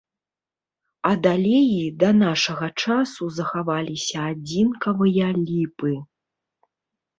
Ад алеі да нашага часу захаваліся адзінкавыя ліпы.